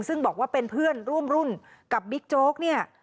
ซึ่งบอกว่าเป็นเพื่อนร่วมรุ่นกับบิ๊กโจ๊กเนี่ย